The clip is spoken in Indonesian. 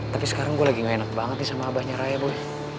tapi sekarang gue lagi gak enak banget nih sama abahnya raya bu